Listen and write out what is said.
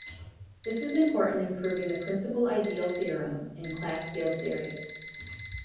This is important in proving the principal ideal theorem in class field theory.